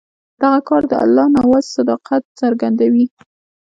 دغه کار د الله نواز صداقت څرګندوي.